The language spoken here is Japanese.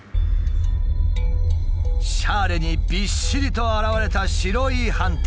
シャーレにびっしりと現れた白い斑点。